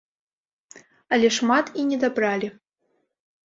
Але шмат і недабралі.